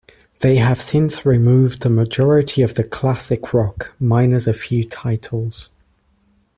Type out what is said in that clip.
They have since removed a majority of the classic rock, minus a few titles.